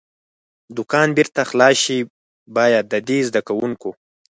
دوکان بېرته خلاص شي، باید د دې زده کوونکو.